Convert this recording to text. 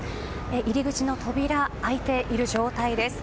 入り口の扉、開いている状態です。